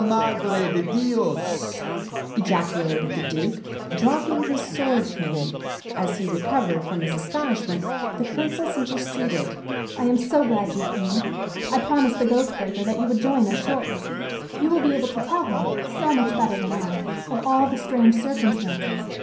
"Madre de Dios!" ejaculated the Duke, dropping his sword cane. As he recovered from his astonishment, the Princess interceded: "I am so glad you came. I promised the Ghost Breaker that you would join us shortly. You will be able to tell him, so much better than I, of all the strange circumstances.